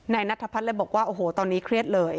ในนัทธพรรษบอกว่าโอ้โหตอนนี้เครียดเลย